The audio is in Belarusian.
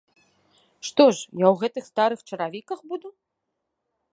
Што ж, я ў гэтых старых чаравіках буду?